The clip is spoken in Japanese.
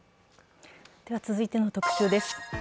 続いての特集です。